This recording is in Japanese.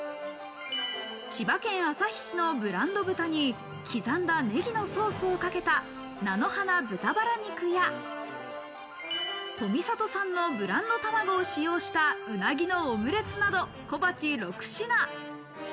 千葉県旭市のブランド豚に、刻んだネギのソースをかけた、菜の花豚バラ肉や、富里産のブランド卵を使用した鰻のオムレツなど、小鉢６品。